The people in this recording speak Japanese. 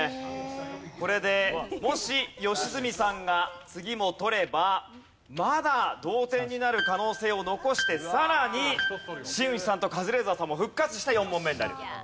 これでもし良純さんが次も取ればまだ同点になる可能性を残してさらに新内さんとカズレーザーさんも復活して４問目になる。